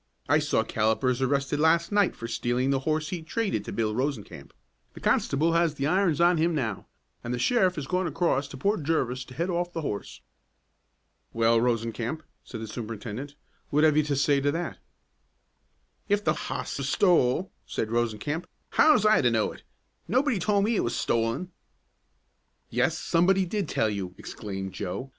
"I saw Callipers arrested last night for stealing the horse he traded to Bill Rosencamp. The constable has the irons on him now, and the sheriff has gone across to Port Jervis to head off the horse." "Well, Rosencamp," said the superintendent, "what have you to say to that?" "If the hoss was stole," said Rosencamp, "how was I to know it? Nobody told me it was stolen." "Yes, somebody did tell you!" exclaimed Joe.